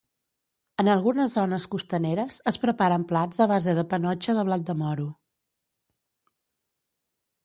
En algunes zones costaneres es preparen plats a base de panotxa de blat de moro.